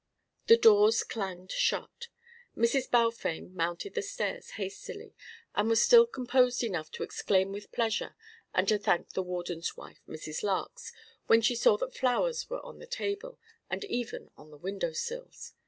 The doors clanged shut; Mrs. Balfame mounted the stairs hastily, and was still composed enough to exclaim with pleasure and to thank the Warden's wife, Mrs. Larks, when she saw that flowers were on the table and even on the window sills.